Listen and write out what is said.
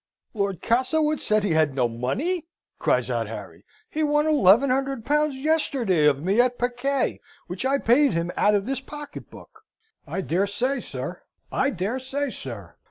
"Lord Castlewood said he had no money?" cries out Harry. "He won eleven hundred pounds, yesterday, of me at piquet which I paid him out of this pocket book." "I dare say, sir, I dare say, sir.